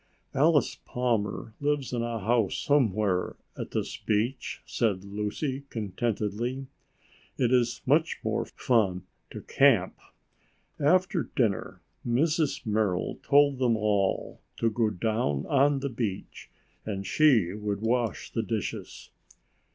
"Alice Palmer lives in a house somewhere at this beach," said Lucy contentedly. "It is much more fun to camp." After dinner Mrs. Merrill told them all to go down on the beach and she would wash the dishes.